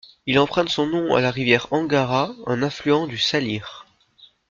Il emprunte son nom à la rivière Angara, un affluent du Salhir.